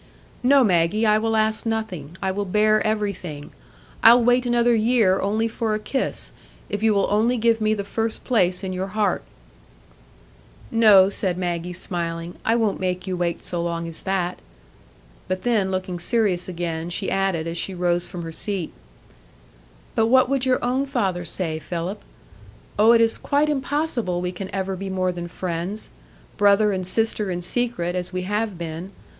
"No, Maggie, I will ask nothing; I will bear everything; I'll wait another year only for a kiss, if you will only give me the first place in your heart." "No," said Maggie, smiling, "I won't make you wait so long as that." But then, looking serious again, she added, as she rose from her seat,— "But what would your own father say, Philip? Oh, it is quite impossible we can ever be more than friends,—brother and sister in secret, as we have been.